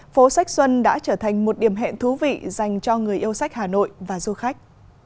phố sách xuân đã trở thành một điểm hẹn thú vị dành cho người yêu sách hà nội và du khách